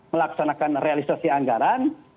melaksanakan realisasi anggaran